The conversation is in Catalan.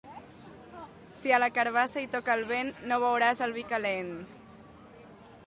Si a la carabassa hi toca el vent, no beuràs el vi calent.